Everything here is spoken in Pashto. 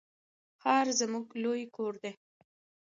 ښار زموږ لوی کور دی.